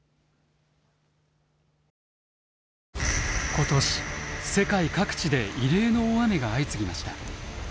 今年世界各地で異例の大雨が相次ぎました。